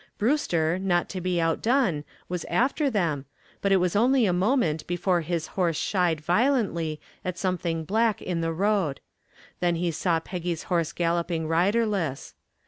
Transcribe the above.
Brewster, not to be outdone, was after them, but it was only a moment before his horse shied violently at something black in the road. Then he saw Peggy's horse galloping riderless.